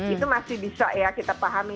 itu masih bisa ya kita pahami